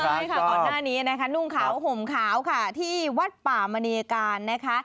ก่อนหน้านี้นุ่งขาวห่มขาวที่วัดป่ามนีการ